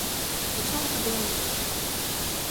Усё гэта было ноччу.